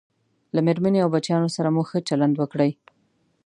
له میرمنې او بچیانو سره مو ښه چلند وکړئ